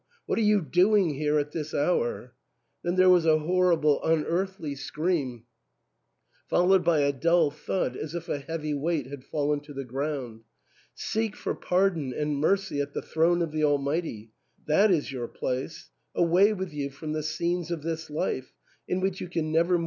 what are you doing here at this hour ?" Then there was a horrible unearthly scream, followed by a dull thud as if a heavy weight had fallen to the ground. "Seek for pardon and mercy at the throne of the Almighty ; that is your place. Away with you from the scenes of this life, in which you can never 234 THE ENTAIL.